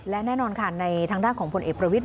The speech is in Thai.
และแน่นอนค่ะในทางด้านของผลเอกประวิทย